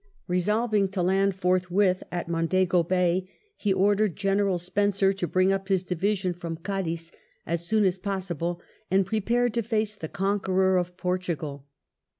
Eesolving 96 WELLINGTON chap. to land forthwith at Mondego Bay, he ordered General Spencer to bring up his division from Cadiz as soon as possible, and prepared to face the conqueror of Portugal.